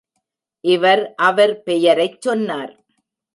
இவர் அவர் பெயரைச் சொன்னார்.